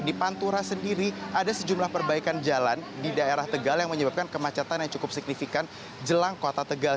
di pantura sendiri ada sejumlah perbaikan jalan di daerah tegal yang menyebabkan kemacetan yang cukup signifikan jelang kota tegal